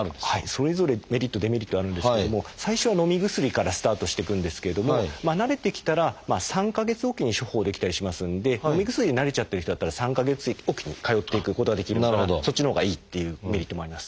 それぞれメリットデメリットあるんですけども最初はのみ薬からスタートしていくんですけれども慣れてきたら３か月置きに処方できたりしますんでのみ薬に慣れちゃってる人だったら３か月置きに通っていくことができるからそっちのほうがいいっていうメリットもあります。